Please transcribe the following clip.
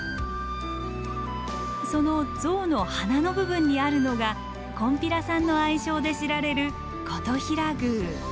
その象の鼻の部分にあるのがこんぴらさんの愛称で知られる金刀比羅宮。